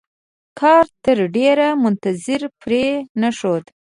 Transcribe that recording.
کارتر ډېر منتظر پرې نښود.